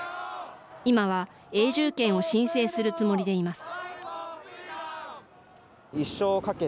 今は永住権を申請するつもりでいます。